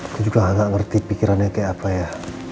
saya juga gak ngerti pikirannya kayak apa ya